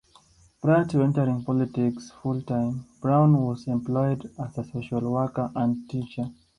Prior to entering politics full-time, Brown was employed as a social worker and teacher.